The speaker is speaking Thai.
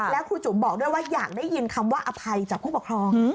แล้วครูจุ๋มบอกด้วยว่าอยากได้ยินคำว่าอภัยจากผู้ปกครอง